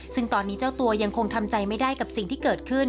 ซึ่งตอนนี้เจ้าตัวยังคงทำใจไม่ได้กับสิ่งที่เกิดขึ้น